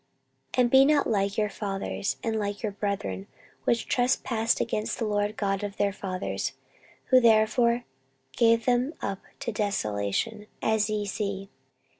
14:030:007 And be not ye like your fathers, and like your brethren, which trespassed against the LORD God of their fathers, who therefore gave them up to desolation, as ye see.